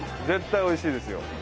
絶対おいしいですよ。